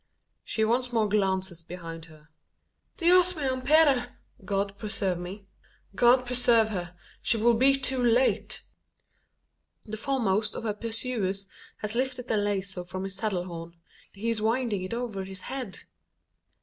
She once more glances behind her. "Dios me ampare!" (God preserve me.) God preserve her! She will be too late! The foremost of her pursuers has lifted the lazo from his saddle horn: he is winding it over his head!